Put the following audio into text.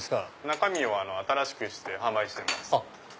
中身を新しくして販売しております。